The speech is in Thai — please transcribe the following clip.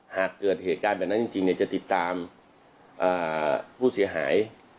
หากเกิดเหตุการณ์แบบนั้นจริงจะติดตามผู้เสียหาย